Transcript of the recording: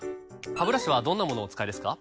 ハブラシはどんなものをお使いですか？